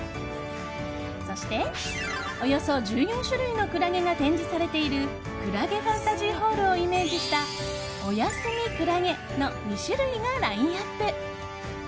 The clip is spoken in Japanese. そしておよそ１４種類のクラゲが展示されているクラゲファンタジーホールをイメージしたおやすみ、クラゲの２種類がラインアップ。